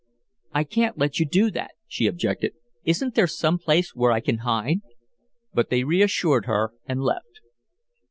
"I can't let you do that," she objected. "Isn't there some place where I can hide?" But they reassured her and left.